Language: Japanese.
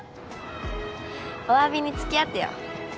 おわびに付き合ってよ。